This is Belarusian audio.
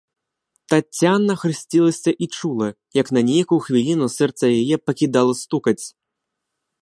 Таццяна хрысцілася і чула, як на нейкую хвіліну сэрца яе пакідала стукаць.